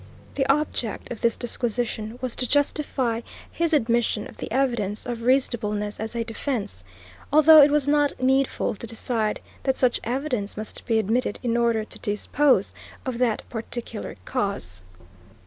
The object of this disquisition was to justify his admission of the evidence of reasonableness as a defence, although it was not needful to decide that such evidence must be admitted in order to dispose of that particular cause.